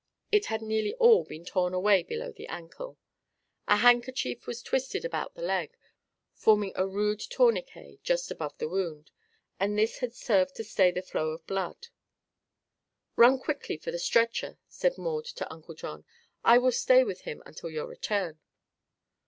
It had nearly all been torn away below the ankle. A handkerchief was twisted about the leg, forming a rude tourniquet just above the wound, and this had served to stay the flow of blood. "Run quickly for the stretcher," said Maud to Uncle John. "I will stay with him until your return."